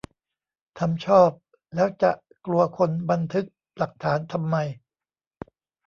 ทำชอบ แล้วจะกลัวคนบันทึกหลักฐานทำไม ?